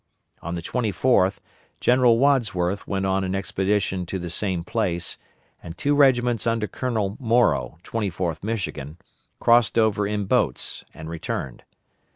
On the 24th General Wadsworth went on an expedition to the same place, and two regiments under Colonel Morrow, 24th Michigan, crossed over in boats, and returned.